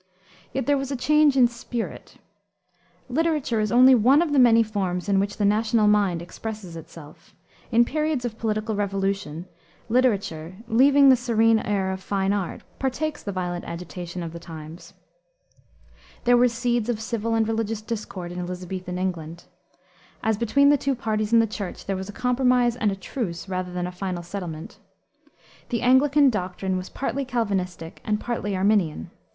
Yet there was a change in spirit. Literature is only one of the many forms in which the national mind expresses itself. In periods of political revolution, literature, leaving the serene air of fine art, partakes the violent agitation of the times. There were seeds of civil and religious discord in Elisabethan England. As between the two parties in the Church there was a compromise and a truce rather than a final settlement. The Anglican doctrine was partly Calvinistic and partly Arminian.